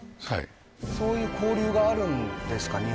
はいそういう交流があるんですか？